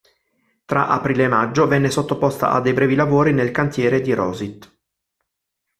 Tra aprile e maggio venne sottoposta a dei brevi lavori nel cantiere di Rosyth.